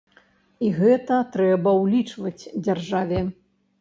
І гэта трэба ўлічваць дзяржаве.